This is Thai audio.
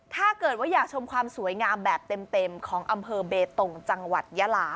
ถ้าเกิดว่าอยากชมความสวยงามแบบเต็มของอำเภอเบตงจังหวัดยาลา